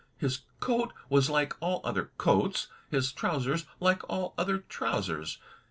His coat was like all other coats, his trousers like all other trousers.